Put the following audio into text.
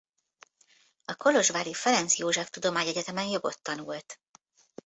A kolozsvári Ferenc József Tudományegyetemen jogot tanult.